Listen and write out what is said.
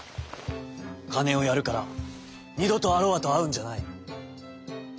かねをやるからにどとアロアとあうんじゃない！」。